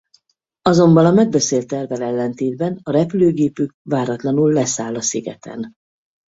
Azonban a megbeszélt tervvel ellentétben a repülőgépük váratlanul leszáll a szigeten.